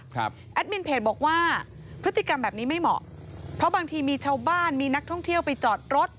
แอดมินเพจบอกว่าพฤติกรรมแบบนี้ไม่เหมาะเพราะบางทีมีชาวบ้านมีนักท่องเที่ยวไปจอดรถ